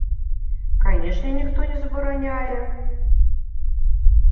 Канечне, ніхто не забараняе!